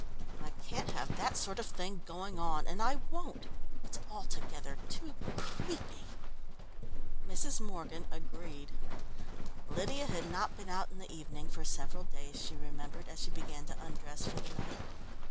I can't have that sort of thing going on, and I won't! it's altogether too creepy!" Mrs. Morgan agreed. Lydia had not been out in the evening for several days, she remembered, as she began to undress for the night.